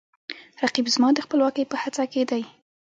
رقیب زما د خپلواکۍ په هڅه کې دی